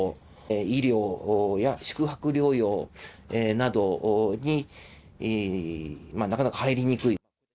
医療や宿泊療養などになかなか入りにくい。